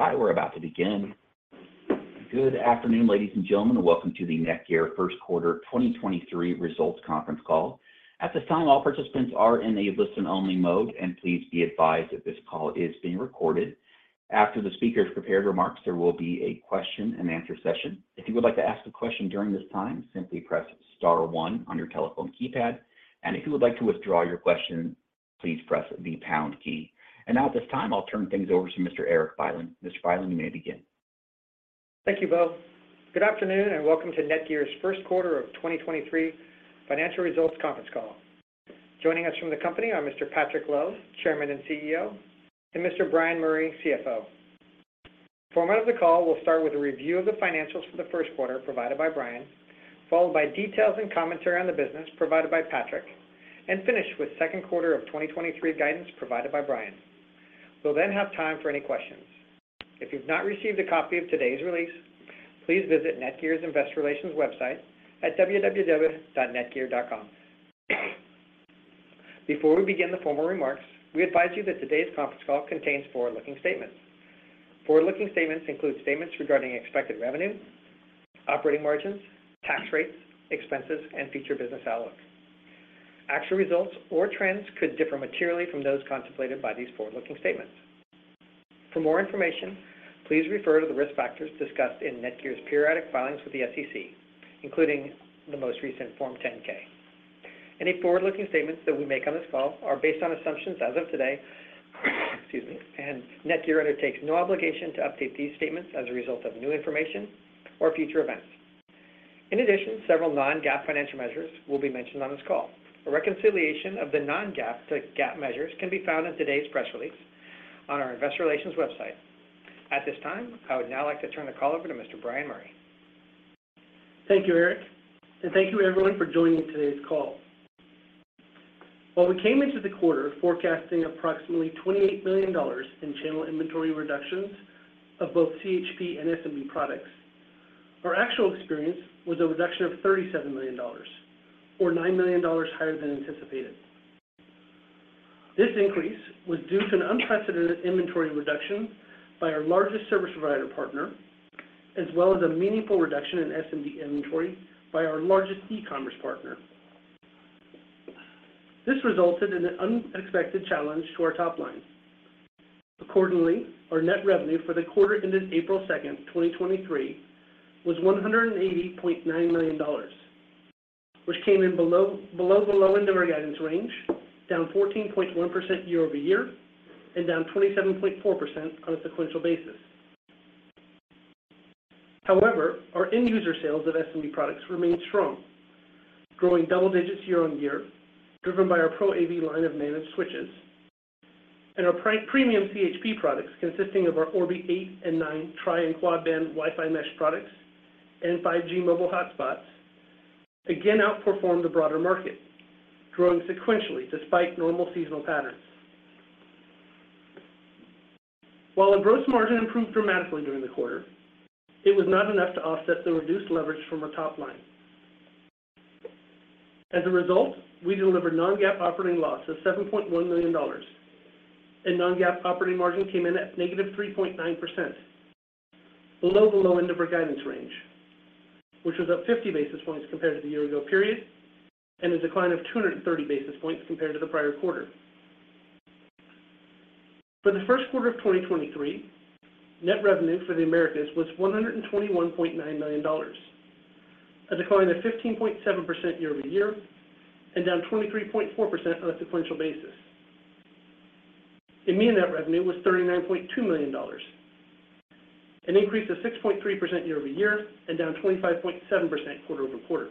Please stand by. We're about to begin. Good afternoon, ladies and gentlemen. Welcome to the NETGEAR First Quarter 2023 Results Conference Call. At this time, all participants are in a listen-only mode. Please be advised that this call is being recorded. After the speaker's prepared remarks, there will be a question-and-answer session. If you would like to ask a question during this time, simply press star one on your telephone keypad. If you would like to withdraw your question, please press the pound key. Now at this time, I'll turn things over to Mr. Erik Bylin. Mr. Bylin, you may begin. Thank you, Bob. Good afternoon, welcome to NETGEAR's first quarter of 2023 financial results conference call. Joining us from the company are Mr. Patrick Lo, Chairman and CEO, and Mr. Bryan Murray, CFO. The format of the call will start with a review of the financials for the first quarter provided by Bryan, followed by details and commentary on the business provided by Patrick, and finish with second quarter of 2023 guidance provided by Bryan. We'll have time for any questions. If you've not received a copy of today's release, please visit NETGEAR's Investor Relations website at www.netgear.com. Before we begin the formal remarks, we advise you that today's conference call contains forward-looking statements. Forward-looking statements include statements regarding expected revenue, operating margins, tax rates, expenses, and future business outlook. Actual results or trends could differ materially from those contemplated by these forward-looking statements. For more information, please refer to the risk factors discussed in NETGEAR's periodic filings with the SEC, including the most recent Form 10-K. Any forward-looking statements that we make on this call are based on assumptions as of today, excuse me, NETGEAR undertakes no obligation to update these statements as a result of new information or future events. In addition, several non-GAAP financial measures will be mentioned on this call. A reconciliation of the non-GAAP to GAAP measures can be found in today's press release on our investor relations website. At this time, I would now like to turn the call over to Mr. Bryan Murray. Thank you, Erik. Thank you everyone for joining today's call. While we came into the quarter forecasting approximately $28 million in channel inventory reductions of both CHP and SMB products, our actual experience was a reduction of $37 million or $9 million higher than anticipated. This increase was due to an unprecedented inventory reduction by our largest service provider partner, as well as a meaningful reduction in SMB inventory by our largest e-commerce partner. This resulted in an unexpected challenge to our top line. Our net revenue for the quarter ended April 2, 2023 was $180.9 million, which came in below the low end of our guidance range, down 14.1% year-over-year and down 27.4% on a sequential basis. Our end user sales of SMB products remained strong, growing double digits year-on-year, driven by our Pro AV line of managed switches and our premium CHP products, consisting of our Orbi 800 and 900 tri and quad band Wi-Fi mesh products and 5G mobile hotspots, again outperformed the broader market, growing sequentially despite normal seasonal patterns. Our gross margin improved dramatically during the quarter, it was not enough to offset the reduced leverage from our top line. We delivered non-GAAP operating loss of $7.1 million, and non-GAAP operating margin came in at -3.9%, below the low end of our guidance range, which was up 50 basis points compared to the year-ago period, and a decline of 230 basis points compared to the prior quarter. For the first quarter of 2023, net revenue for the Americas was $121.9 million, a decline of 15.7% year-over-year, and down 23.4% on a sequential basis. EMEA net revenue was $39.2 million, an increase of 6.3% year-over-year and down 25.7% quarter-over-quarter.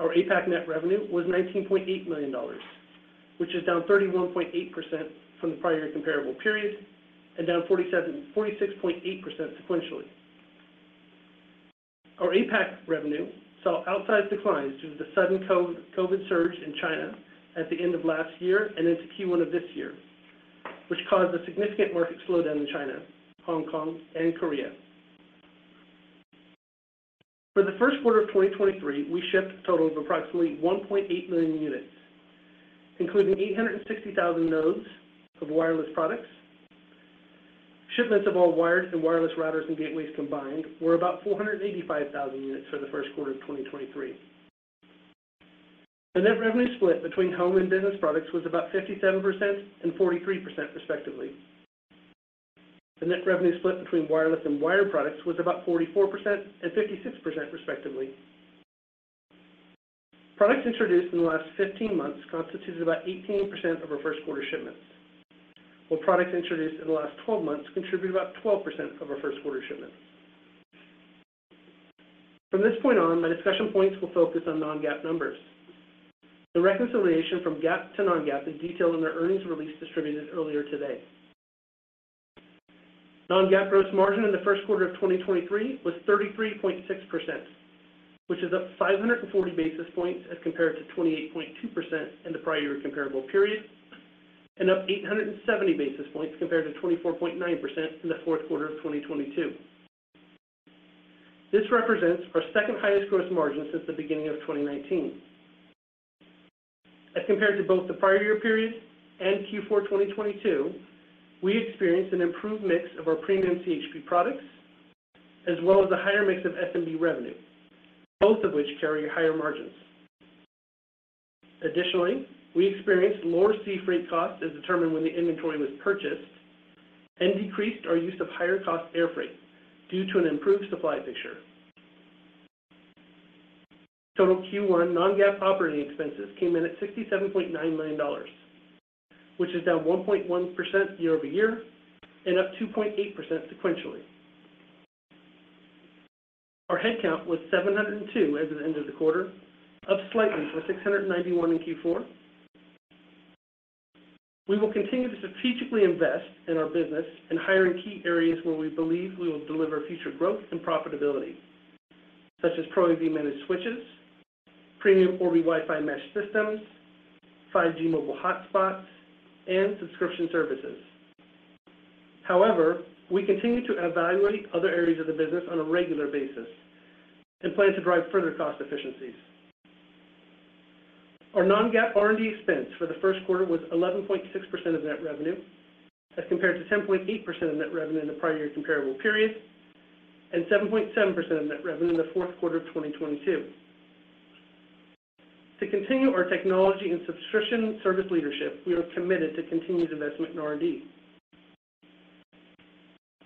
Our APAC net revenue was $19.8 million, which is down 31.8% from the prior comparable period and down 46.8% sequentially. Our APAC revenue saw outsized declines due to the sudden COVID surge in China at the end of last year and into Q1 of this year, which caused a significant market slowdown in China, Hong Kong, and Korea. For the first quarter of 2023, we shipped a total of approximately 1.8 million units, including 860,000 nodes of wireless products. Shipments of all wired and wireless routers and gateways combined were about 485,000 units for the first quarter of 2023. The net revenue split between home and business products was about 57% and 43% respectively. The net revenue split between wireless and wired products was about 44% and 56% respectively. Products introduced in the last 15 months constituted about 18% of our first quarter shipments, while products introduced in the last 12 months contributed about 12% of our first quarter shipments. From this point on, my discussion points will focus on non-GAAP numbers. The reconciliation from GAAP to non-GAAP is detailed in the earnings release distributed earlier today. non-GAAP gross margin in the first quarter of 2023 was 33.6%, which is up 540 basis points as compared to 28.2% in the prior year comparable period, and up 870 basis points compared to 24.9% in the fourth quarter of 2022. This represents our second-highest gross margin since the beginning of 2019. As compared to both the prior year period and Q4 2022, we experienced an improved mix of our premium CHP products, as well as a higher mix of SMB revenue, both of which carry higher margins. Additionally, we experienced lower sea freight costs as determined when the inventory was purchased and decreased our use of higher cost airfreight due to an improved supply picture. Total Q1 non-GAAP operating expenses came in at $67.9 million, which is down 1.1% year-over-year and up 2.8% sequentially. Our headcount was 702 as of the end of the quarter, up slightly from 691 in Q4. We will continue to strategically invest in our business and hire in key areas where we believe we will deliver future growth and profitability, such as Pro AV managed switches, premium Orbi Wi-Fi mesh systems, 5G mobile hotspots, and subscription services. However, we continue to evaluate other areas of the business on a regular basis and plan to drive further cost efficiencies. Our non-GAAP R&D expense for the first quarter was 11.6% of net revenue as compared to 10.8% of net revenue in the prior year comparable period, and 7.7% of net revenue in the fourth quarter of 2022. To continue our technology and subscription service leadership, we are committed to continued investment in R&D.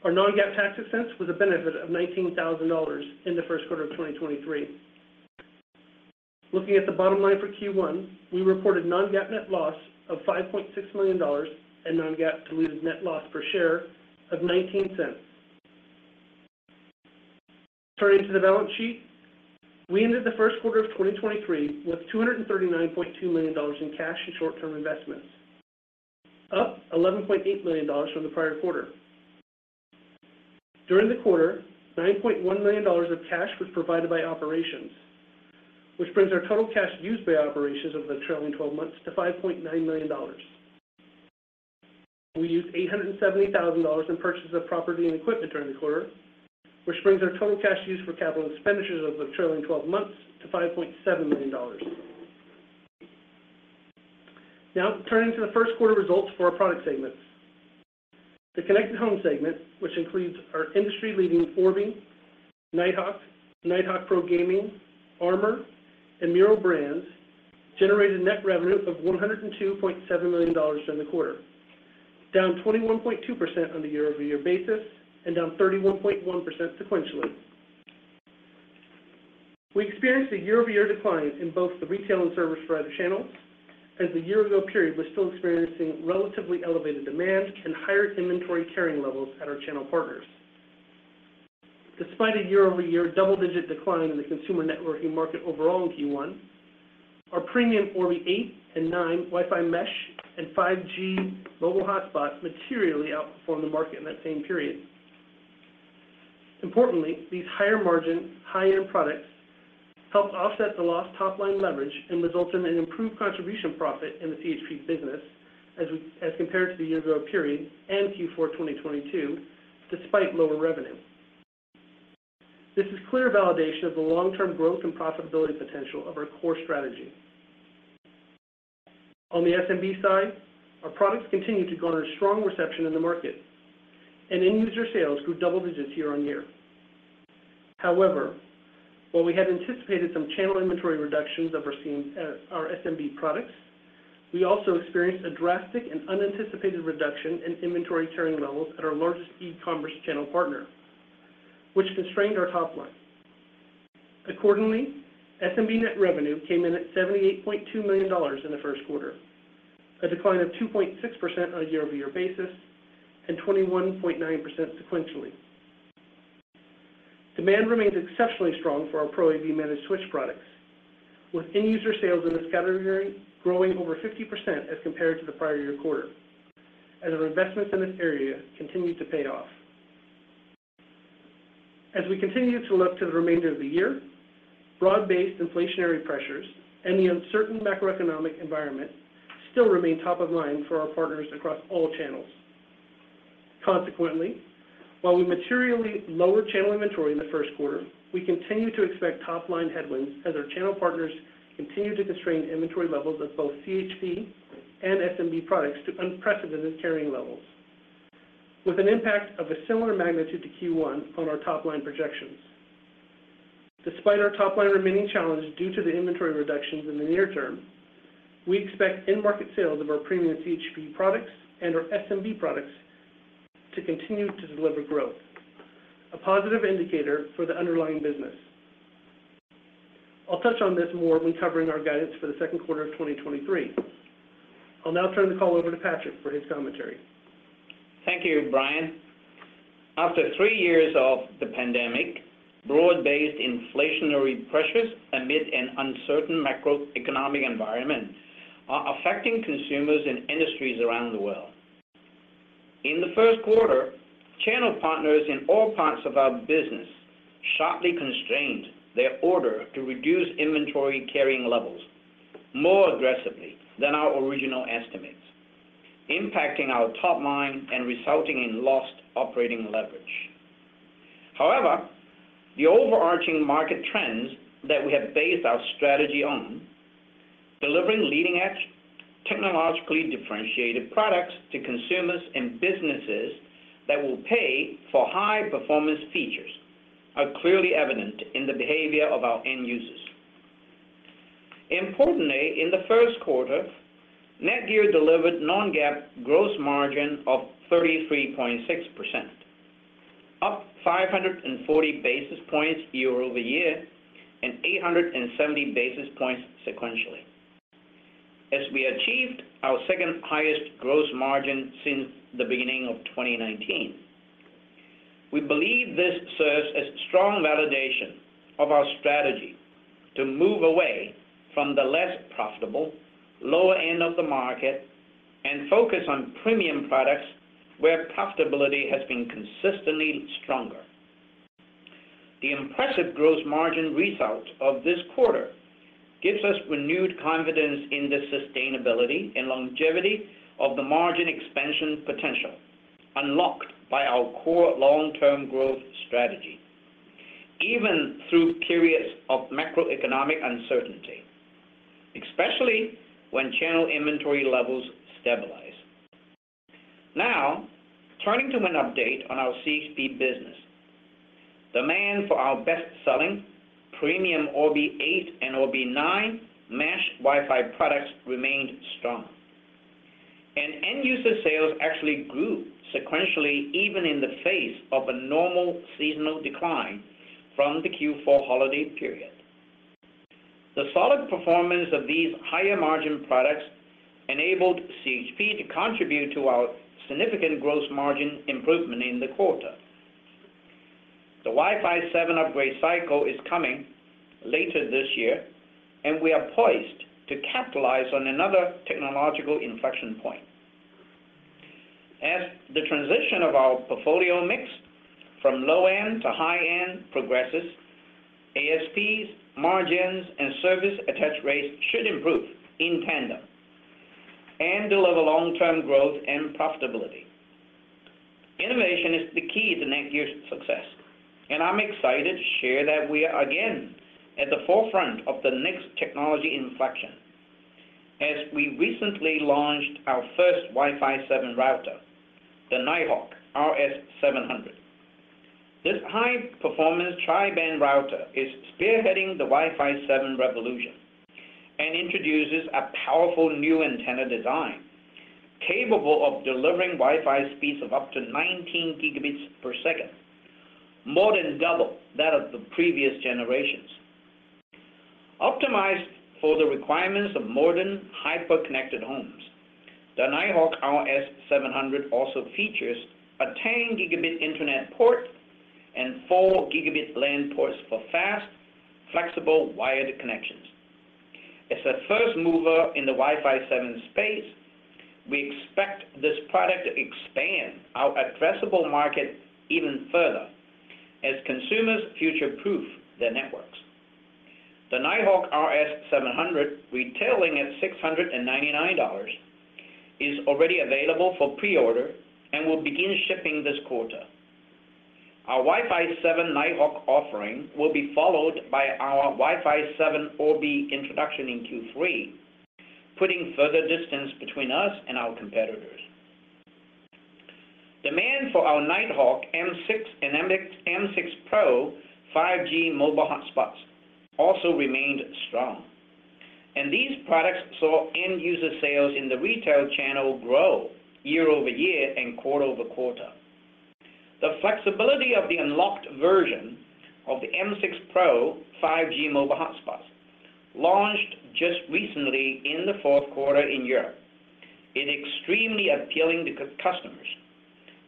Our non-GAAP tax expense was a benefit of $19,000 in the first quarter of 2023. Looking at the bottom line for Q1, we reported non-GAAP net loss of $5.6 million and non-GAAP diluted net loss per share of $0.19. Turning to the balance sheet, we ended the first quarter of 2023 with $239.2 million in cash and short-term investments, up $11.8 million from the prior quarter. During the quarter, $9.1 million of cash was provided by operations, which brings our total cash used by operations over the trailing 12 months to $5.9 million. We used $870,000 in purchase of property and equipment during the quarter, which brings our total cash used for capital expenditures over the trailing 12 months to $5.7 million. Now turning to the first quarter results for our product segments. The Connected Home segment, which includes our industry-leading Orbi, Nighthawk Pro Gaming, Armor, and Meural brands, generated net revenue of $102.7 million during the quarter, down 21.2% on a year-over-year basis and down 31.1% sequentially. We experienced a year-over-year decline in both the retail and service provider channels, as the year ago period was still experiencing relatively elevated demand and higher inventory carrying levels at our channel partners. Despite a year-over-year double-digit decline in the consumer networking market overall in Q1, our premium Orbi 800 and 900 Wi-Fi mesh and 5G mobile hotspots materially outperformed the market in that same period. Importantly, these higher margin, higher products helped offset the lost top-line leverage and result in an improved contribution profit in the CHP business as compared to the year-ago period and Q4 2022, despite lower revenue. This is clear validation of the long-term growth and profitability potential of our core strategy. On the SMB side, our products continued to garner strong reception in the market, and end user sales grew double digits year-on-year. While we had anticipated some channel inventory reductions of our SMB products, we also experienced a drastic and unanticipated reduction in inventory carrying levels at our largest e-commerce channel partner, which constrained our top line. SMB net revenue came in at $78.2 million in the first quarter, a decline of 2.6% on a year-over-year basis, and 21.9% sequentially. Demand remains exceptionally strong for our Pro AV managed switch products, with end user sales in this category growing over 50% as compared to the prior year quarter as our investments in this area continued to pay off. We continue to look to the remainder of the year, broad-based inflationary pressures and the uncertain macroeconomic environment still remain top of mind for our partners across all channels. Consequently, while we materially lowered channel inventory in the first quarter, we continue to expect top-line headwinds as our channel partners continue to constrain inventory levels of both CHP and SMB products to unprecedented carrying levels, with an impact of a similar magnitude to Q1 on our top-line projections. Despite our top line remaining challenged due to the inventory reductions in the near term, we expect end market sales of our premium CHP products and our SMB products to continue to deliver growth, a positive indicator for the underlying business. I'll touch on this more when covering our guidance for the second quarter of 2023. I'll now turn the call over to Patrick for his commentary. Thank you, Bryan. After three years of the pandemic, broad-based inflationary pressures amid an uncertain macroeconomic environment are affecting consumers and industries around the world. In the first quarter, channel partners in all parts of our business sharply constrained their order to reduce inventory carrying levels more aggressively than our original estimates, impacting our top line and resulting in lost operating leverage. However, the overarching market trends that we have based our strategy on, delivering leading-edge technologically differentiated products to consumers and businesses that will pay for high performance features, are clearly evident in the behavior of our end users. Importantly, in the first quarter, NETGEAR delivered non-GAAP gross margin of 33.6%, up 540 basis points year-over-year and 870 basis points sequentially. As we achieved our second highest gross margin since the beginning of 2019. We believe this serves as strong validation of our strategy to move away from the less profitable lower end of the market and focus on premium products where profitability has been consistently stronger. The impressive gross margin result of this quarter gives us renewed confidence in the sustainability and longevity of the margin expansion potential unlocked by our core long-term growth strategy, even through periods of macroeconomic uncertainty, especially when channel inventory levels stabilize. Turning to an update on our CHP business. Demand for our best-selling premium Orbi 8 and Orbi 9 Mesh Wi-Fi products remained strong, and end user sales actually grew sequentially, even in the face of a normal seasonal decline from the Q4 holiday period. The solid performance of these higher margin products enabled CHP to contribute to our significant gross margin improvement in the quarter. The Wi-Fi 7 upgrade cycle is coming later this year, and we are poised to capitalize on another technological inflection point. As the transition of our portfolio mix from low end to high end progresses, ASPs, margins, and service attach rates should improve in tandem and deliver long-term growth and profitability. Innovation is the key to NETGEAR's success, and I'm excited to share that we are again at the forefront of the next technology inflection as we recently launched our first Wi-Fi 7 router, the Nighthawk RS700. This high performance tri-band router is spearheading the Wi-Fi 7 revolution and introduces a powerful new antenna design capable of delivering Wi-Fi speeds of up to 19 gigabits per second, more than double that of the previous generations. Optimized for the requirements of modern, hyper-connected homes, the Nighthawk RS700 also features a 10 Gigabit Internet port and 4 Gigabit LAN ports for fast, flexible wired connections. As a first mover in the Wi-Fi 7 space, we expect this product to expand our addressable market even further as consumers future-proof their networks. The Nighthawk RS700, retailing at $699, is already available for preorder and will begin shipping this quarter. Our Wi-Fi 7 Nighthawk offering will be followed by our Wi-Fi 7 Orbi introduction in Q3, putting further distance between us and our competitors. Demand for our Nighthawk M6 and M6 Pro 5G mobile hotspots also remained strong, and these products saw end user sales in the retail channel grow year-over-year and quarter-over-quarter. The flexibility of the unlocked version of the M6 Pro 5G mobile hotspot launched just recently in the fourth quarter in Europe is extremely appealing to customers,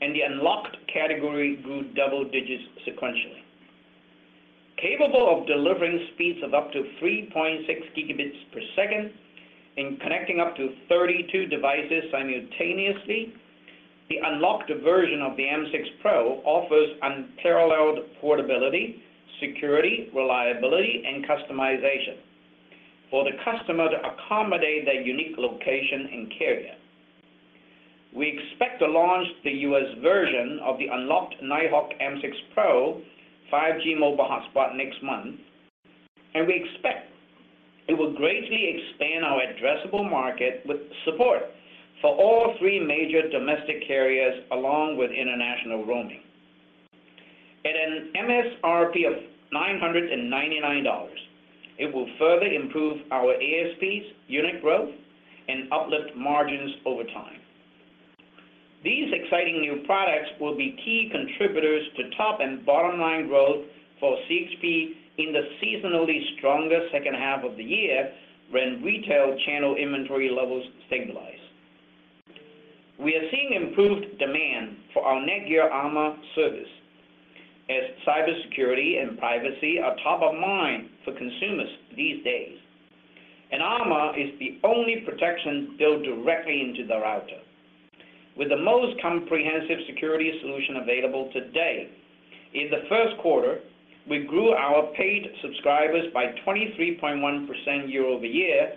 the unlocked category grew double digits sequentially. Capable of delivering speeds of up to 3.6 gigabits per second and connecting up to 32 devices simultaneously, the unlocked version of the M6 Pro offers unparalleled portability, security, reliability, and customization for the customer to accommodate their unique location and carrier. We expect to launch the U.S. version of the unlocked Nighthawk M6 Pro 5G mobile hotspot next month, we expect it will greatly expand our addressable market with support for all three major domestic carriers along with international roaming. At an MSRP of $999, it will further improve our ASPs unit growth and uplift margins over time. These exciting new products will be key contributors to top and bottom line growth for CHP in the seasonally stronger second half of the year when retail channel inventory levels stabilize. We are seeing improved demand for our NETGEAR Armor service as cybersecurity and privacy are top of mind for consumers these days. Armor is the only protection built directly into the router with the most comprehensive security solution available today. In the first quarter, we grew our paid subscribers by 23.1% year-over-year.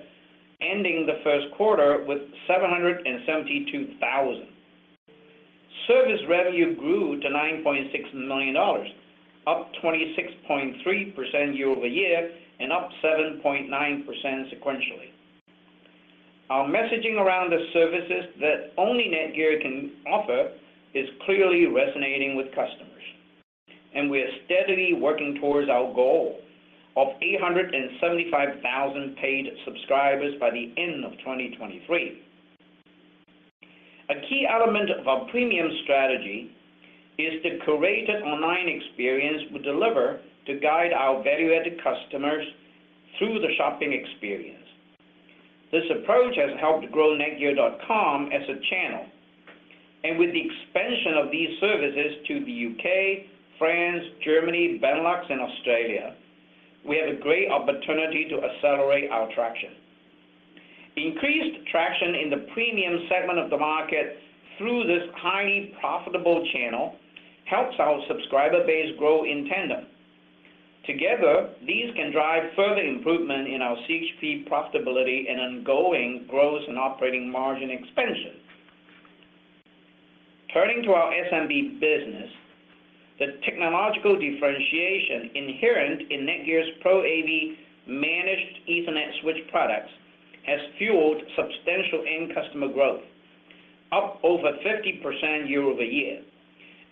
Ending the first quarter with 772,000. Service revenue grew to $9.6 million, up 26.3% year-over-year and up 7.9% sequentially. Our messaging around the services that only NETGEAR can offer is clearly resonating with customers, and we are steadily working towards our goal of 875,000 paid subscribers by the end of 2023. A key element of our premium strategy is the curated online experience we deliver to guide our value-added customers through the shopping experience. This approach has helped grow netgear.com as a channel. With the expansion of these services to the U.K., France, Germany, Benelux, and Australia, we have a great opportunity to accelerate our traction. Increased traction in the premium segment of the market through this highly profitable channel helps our subscriber base grow in tandem. Together, these can drive further improvement in our CHP profitability and ongoing gross and operating margin expansion. Turning to our SMB business, the technological differentiation inherent in NETGEAR's Pro AV managed Ethernet switch products has fueled substantial end customer growth, up over 50% year-over-year,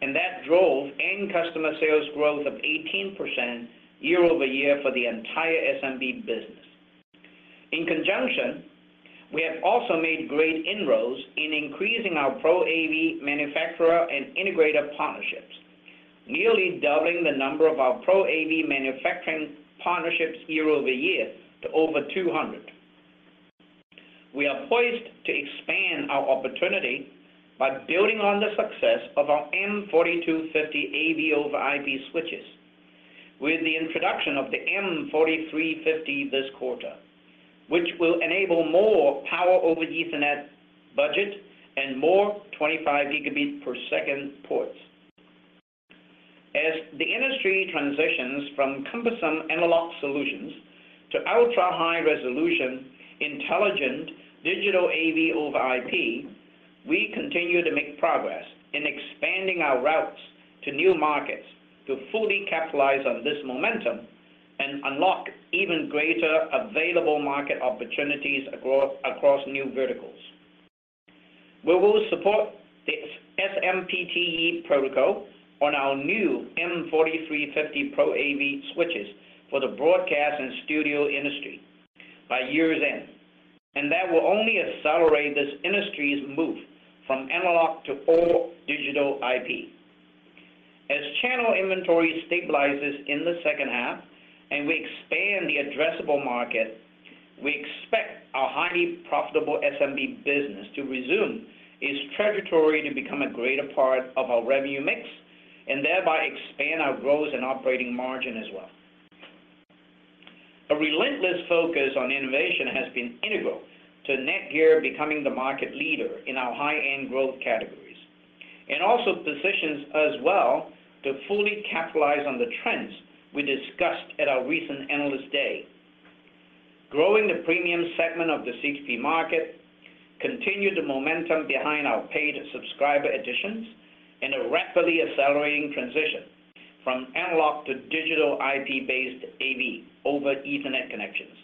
and that drove end customer sales growth of 18% year-over-year for the entire SMB business. In conjunction, we have also made great inroads in increasing our Pro AV manufacturer and integrator partnerships, nearly doubling the number of our Pro AV manufacturing partnerships year-over-year to over 200. We are poised to expand our opportunity by building on the success of our M4250 AV over IP switches with the introduction of the M4350 this quarter, which will enable more Power over Ethernet budget and more 25 gigabit per second ports. As the industry transitions from cumbersome analog solutions to ultra-high resolution, intelligent digital AV over IP, we continue to make progress in expanding our routes to new markets to fully capitalize on this momentum and unlock even greater available market opportunities across new verticals. We will support the SMPTE protocol on our new M4350 Pro AV switches for the broadcast and studio industry by year's end, and that will only accelerate this industry's move from analog to all digital IP. As channel inventory stabilizes in the second half and we expand the addressable market, we expect our highly profitable SMB business to resume its trajectory to become a greater part of our revenue mix and thereby expand our growth and operating margin as well. A relentless focus on innovation has been integral to NETGEAR becoming the market leader in our high-end growth categories and also positions us well to fully capitalize on the trends we discussed at our recent Analyst Day. Growing the premium segment of the CHP market, continue the momentum behind our paid subscriber additions, and a rapidly accelerating transition from analog to digital IP-based AV over Ethernet connections.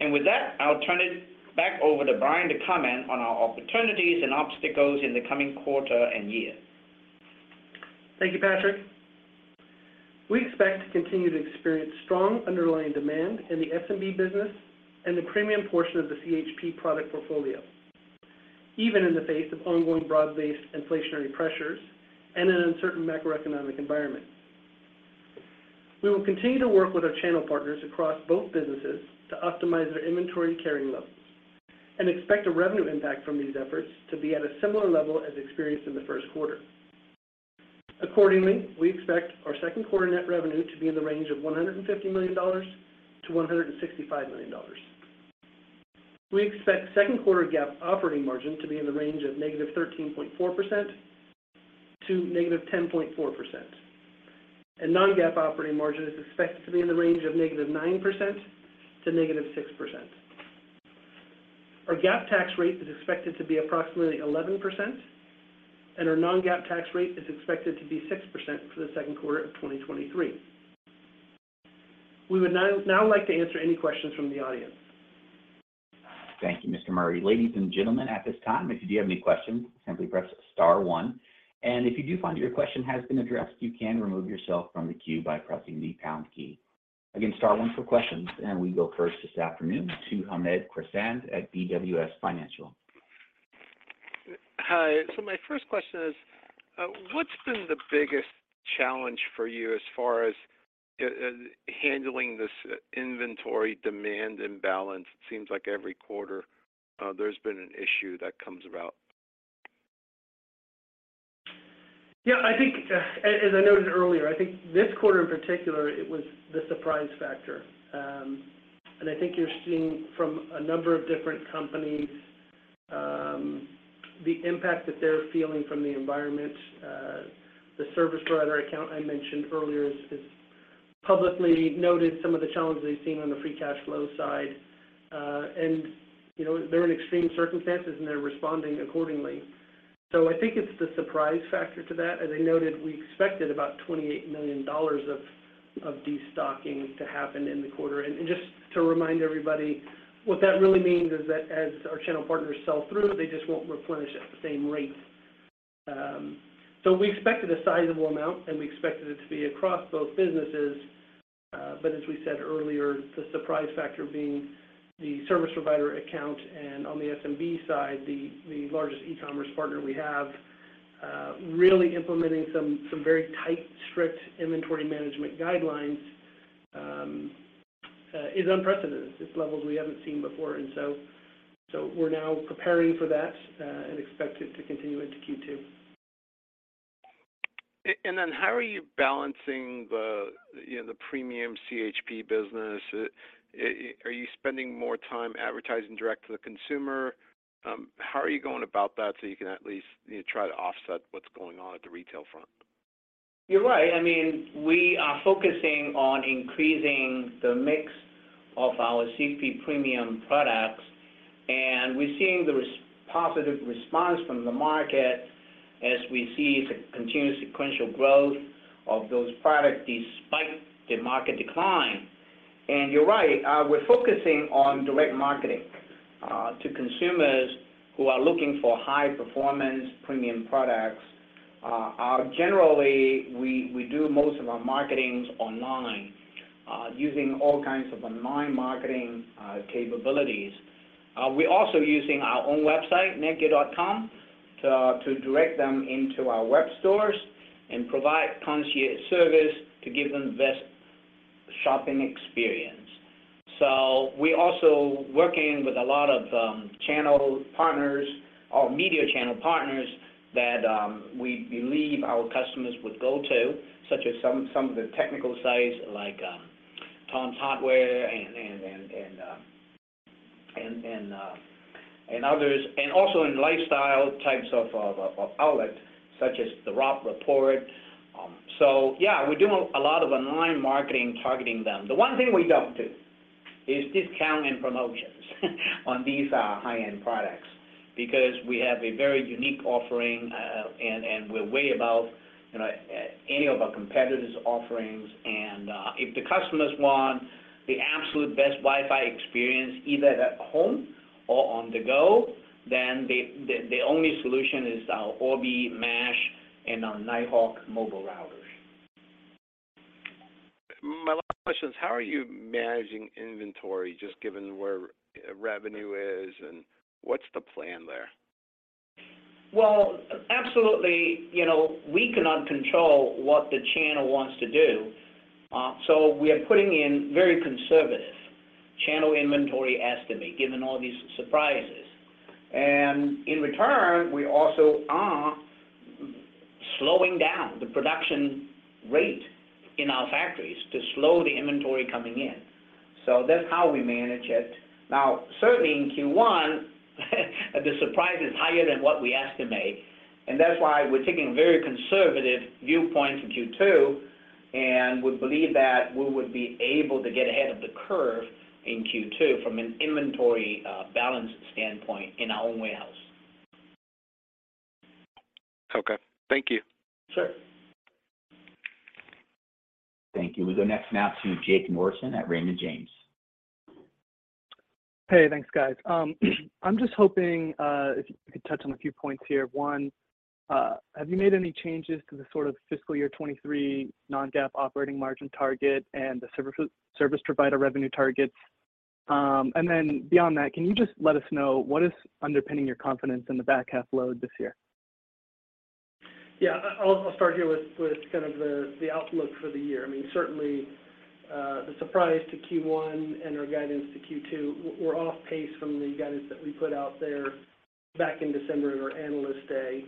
With that, I'll turn it back over to Bryan to comment on our opportunities and obstacles in the coming quarter and year. Thank you, Patrick. We expect to continue to experience strong underlying demand in the SMB business and the premium portion of the CHP product portfolio, even in the face of ongoing broad-based inflationary pressures and an uncertain macroeconomic environment. We will continue to work with our channel partners across both businesses to optimize their inventory carrying levels and expect a revenue impact from these efforts to be at a similar level as experienced in the first quarter. We expect our second quarter net revenue to be in the range of $150 million-$165 million. We expect second quarter GAAP operating margin to be in the range of -13.4 to -10.4%, non-GAAP operating margin is expected to be in the range of -9 to -6%. Our GAAP tax rate is expected to be approximately 11%. Our non-GAAP tax rate is expected to be 6% for the second quarter of 2023. We would now like to answer any questions from the audience. Thank you, Mr. Murray. Ladies and gentlemen, at this time, if you do have any questions, simply press star one. If you do find your question has been addressed, you can remove yourself from the queue by pressing the pound key. Again, star one for questions. We go first this afternoon to Hamed Khorsand at BWS Financial. Hi. My first question is, what's been the biggest challenge for you as far as, handling this inventory demand imbalance? It seems like every quarter, there's been an issue that comes about. Yeah. I think, as I noted earlier, I think this quarter in particular, it was the surprise factor. I think you're seeing from a number of different companies the impact that they're feeling from the environment, the service provider account I mentioned earlier has publicly noted some of the challenges they've seen on the free cash flow side. You know, they're in extreme circumstances, and they're responding accordingly. I think it's the surprise factor to that. As I noted, we expected about $28 million of destocking to happen in the quarter. Just to remind everybody, what that really means is that as our channel partners sell through, they just won't replenish at the same rate. We expected a sizable amount, and we expected it to be across both businesses. As we said earlier, the surprise factor being the service provider account, and on the SMB side, the largest e-commerce partner we have, really implementing some very tight, strict inventory management guidelines, is unprecedented. It's levels we haven't seen before. We're now preparing for that, and expect it to continue into Q2. How are you balancing the, you know, the premium CHP business? Are you spending more time advertising direct to the consumer? How are you going about that so you can at least, you know, try to offset what's going on at the retail front? You're right. I mean, we are focusing on increasing the mix of our CHP premium products, and we're seeing the positive response from the market as we see the continuous sequential growth of those products despite the market decline. You're right, we're focusing on direct marketing to consumers who are looking for high performance premium products. Generally, we do most of our marketings online, using all kinds of online marketing capabilities. We're also using our own website, netgear.com, to direct them into our web stores and provide concierge service to give them the best shopping experience. We're also working with a lot of channel partners or media channel partners that we believe our customers would go to, such as some of the technical sites like Tom's Hardware and others, and also in lifestyle types of outlets such as The Robb Report. Yeah, we're doing a lot of online marketing targeting them. The one thing we don't do is discount and promotions on these high-end products because we have a very unique offering, and we're way above, you know, any of our competitors' offerings. If the customers want the absolute best Wi-Fi experience, either at home or on the go, then the only solution is our Orbi mesh and our Nighthawk mobile routers. My last question is how are you managing inventory just given where revenue is, and what's the plan there? Well, absolutely. You know, we cannot control what the channel wants to do, so we are putting in very conservative channel inventory estimate, given all these surprises. In return, we also are slowing down the production rate in our factories to slow the inventory coming in. That's how we manage it. Certainly in Q1, the surprise is higher than what we estimate, and that's why we're taking a very conservative viewpoint in Q2, and we believe that we would be able to get ahead of the curve in Q2 from an inventory balance standpoint in our own warehouse. Okay. Thank you. Sure. Thank you. We go next now to Jake Norrison at Raymond James. Hey, thanks, guys. I'm just hoping if you could touch on a few points here. One, have you made any changes to the sort of fiscal year 23 non-GAAP operating margin target and the service provider revenue targets? Beyond that, can you just let us know what is underpinning your confidence in the back half load this year? Yeah. I'll start here with kind of the outlook for the year. I mean, certainly, the surprise to Q1 and our guidance to Q2, we're off pace from the guidance that we put out there back in December at our Analyst Day.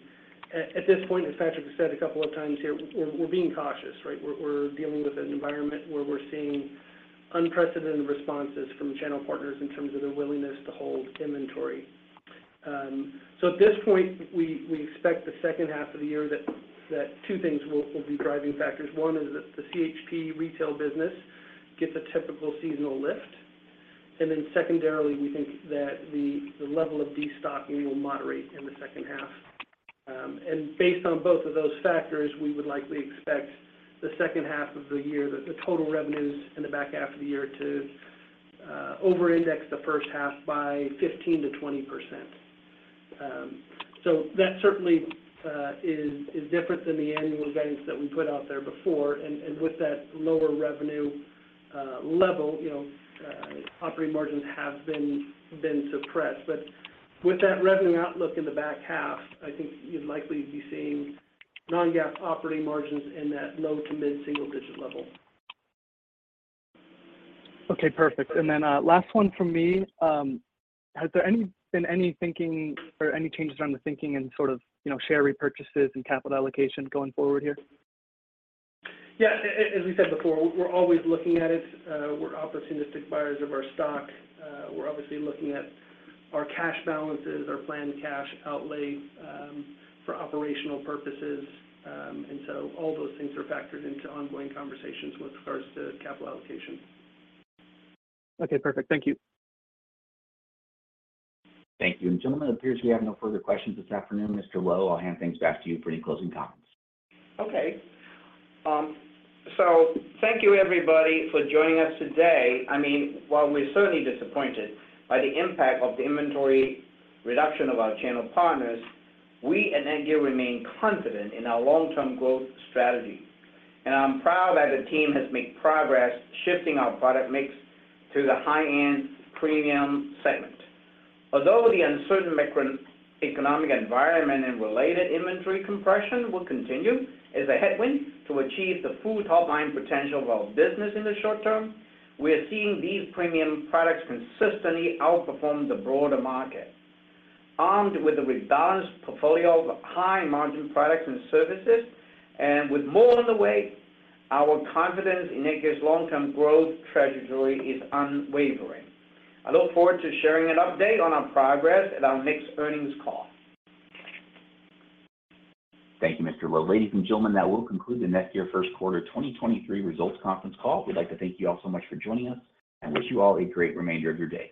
At this point, as Patrick has said a couple of times here, we're being cautious, right? We're dealing with an environment where we're seeing unprecedented responses from channel partners in terms of their willingness to hold inventory. At this point, we expect the second half of the year that two things will be driving factors. One is that the CHP retail business gets a typical seasonal lift. Secondarily, we think that the level of destocking will moderate in the second half. Based on both of those factors, we would likely expect the second half of the year that the total revenues in the back half of the year to over-index the first half by 15%-20%. That certainly is different than the annual guidance that we put out there before. With that lower revenue level, you know, operating margins have been suppressed. With that revenue outlook in the back half, I think you'd likely be seeing non-GAAP operating margins in that low to mid-single digit level. Okay, perfect. Last one from me. Has there been any thinking or any changes around the thinking in sort of, you know, share repurchases and capital allocation going forward here? Yeah. As we said before, we're always looking at it. We're opportunistic buyers of our stock. We're obviously looking at our cash balances, our planned cash outlay, for operational purposes. All those things are factored into ongoing conversations with regards to capital allocation. Okay, perfect. Thank you. Thank you. Gentlemen, it appears we have no further questions this afternoon. Mr. Lo, I'll hand things back to you for any closing comments. Okay. Thank you, everybody, for joining us today. I mean, while we're certainly disappointed by the impact of the inventory reduction of our channel partners, we at NETGEAR remain confident in our long-term growth strategy, and I'm proud that the team has made progress shifting our product mix to the high-end premium segment. Although the uncertain microeconomic environment and related inventory compression will continue as a headwind to achieve the full top-line potential of our business in the short term, we're seeing these premium products consistently outperform the broader market. Armed with a balanced portfolio of high-margin products and services, and with more on the way, our confidence in NETGEAR's long-term growth trajectory is unwavering. I look forward to sharing an update on our progress at our next earnings call. Thank you Mr. Lo. Ladies and gentlemen, that will conclude the NETGEAR First Quarter 2023 Results Conference Call. We'd like to thank you all so much for joining us and wish you all a great remainder of your day.